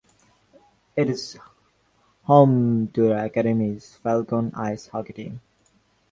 It is home to the Academy's Falcon ice hockey team.